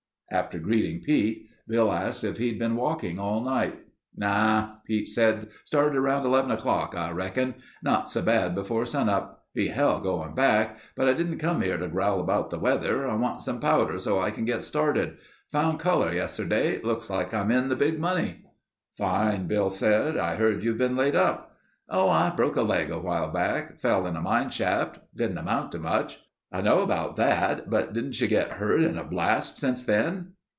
'" After greeting Pete, Bill asked if he'd been walking all night. "Naw," Pete said. "Started around 11 o'clock, I reckon. Not so bad before sunup. Be hell going back. But I didn't come here to growl about the weather. I want some powder so I can get started. Found color yesterday. Looks like I'm in the big money." "Fine," Bill said. "I heard you've been laid up." "Oh, I broke a leg awhile back. Fell in a mine shaft. Didn't amount to much." "I know about that, but didn't you get hurt in a blast since then?"